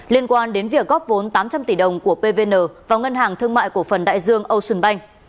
liên quan đến việc góp vốn tám trăm linh tỷ đồng của pvn vào ngân hàng thương mại cổ phần đại dương ocean bank